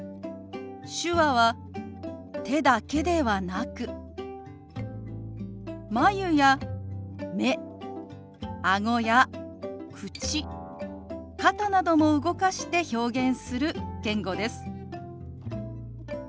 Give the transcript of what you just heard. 手話は手だけではなく眉や目あごや口肩なども動かして表現する言語です。